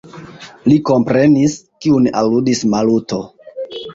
Li komprenis, kiun aludis Maluto.